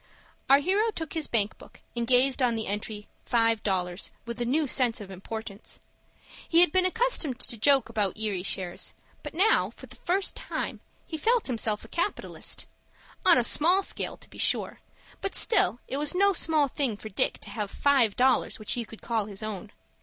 Our hero took his bank book, and gazed on the entry "Five Dollars" with a new sense of importance. He had been accustomed to joke about Erie shares, but now, for the first time, he felt himself a capitalist; on a small scale, to be sure, but still it was no small thing for Dick to have five dollars which he could call his own.